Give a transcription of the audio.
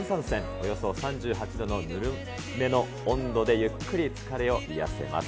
およそ３８度のぬるめの温度でゆっくり疲れを癒やせます。